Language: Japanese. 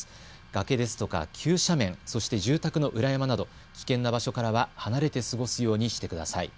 崖ですとか急斜面、そして住宅の裏山など危険な場所からは離れて過ごすようにしてください。